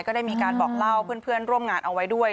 ก็ได้มีการบอกเล่าเพื่อนร่วมงานเอาไว้ด้วย